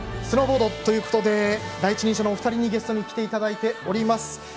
スノーボードということで第一人者のお二人にゲストに来ていただいております。